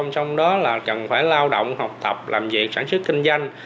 trong đó là cần phải lao động học tập làm việc sản xuất kinh doanh